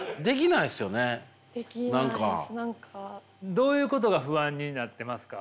どういうことが不安になってますか？